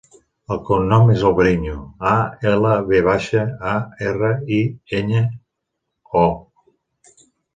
El cognom és Alvariño: a, ela, ve baixa, a, erra, i, enya, o.